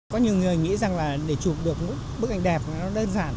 có nhiều người nghĩ rằng là để chụp được những bức ảnh đẹp nó đơn giản